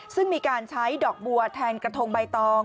ซึ่งมีการใช้ดอกบัวแทนกระทงใบตอง